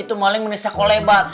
itu maling menisahko lebat